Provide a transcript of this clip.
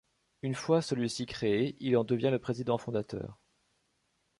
Une fois celui-ci créé, il en devient le président fondateur.